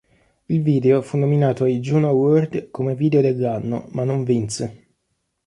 Il video fu nominato ai Juno Award come "Video dell'anno" ma non vinse.